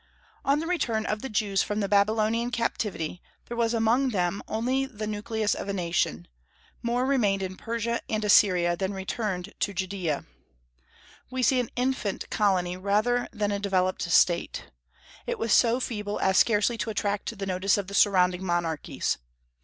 On the return of the Jews from the Babylonian captivity there was among them only the nucleus of a nation: more remained in Persia and Assyria than returned to Judaea. We see an infant colony rather than a developed State; it was so feeble as scarcely to attract the notice of the surrounding monarchies.